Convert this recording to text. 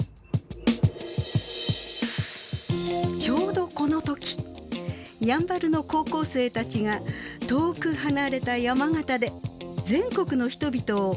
ちょうどこの時やんばるの高校生たちが遠く離れた山形で全国の人々を驚かせていました。